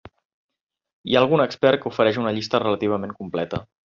Hi ha algun expert que ofereix una llista relativament completa.